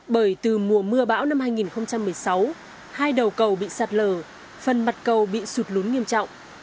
bởi từ mùa mưa bão năm hai nghìn một mươi sáu hai đầu cầu bị sạt lở phần mặt cầu bị sụt lún nghiêm trọng